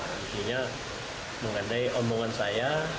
intinya mengandai omongan saya